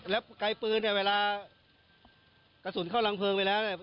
และกายปืนเนี่ยเวลากระสุนเข้ารังเฟิร์งไปแล้ว